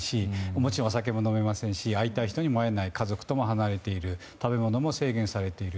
もちろんお酒も飲めませんし会いたい人にも会えない家族とも離れている食べ物も制限されている。